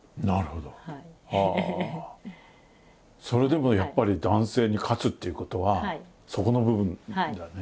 それでもやっぱり男性に勝つっていうことはそこの部分だね。